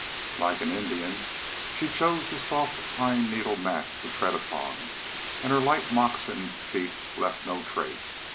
Like an Indian, she chose the soft pine needle mats to tread upon, and her light moccasined feet left no trace.